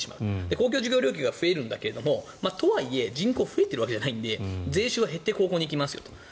公共事業料金が増えるんだけどとはいえ人口が増えているわけじゃないので税収は減っていくと。